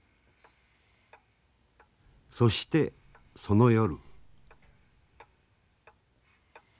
そしてその夜。